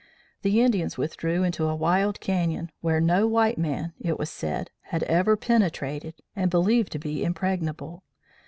The Indians withdrew into a wild canyon, where no white man, it was said, had ever penetrated, and believed to be impregnable.